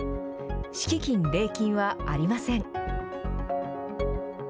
敷金礼金はありません。